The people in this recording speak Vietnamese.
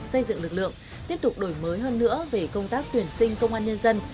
xây dựng lực lượng tiếp tục đổi mới hơn nữa về công tác tuyển sinh công an nhân dân